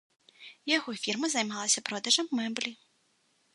Яго фірма займалася продажам мэблі.